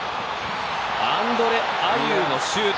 アンドレ・アユーのシュート。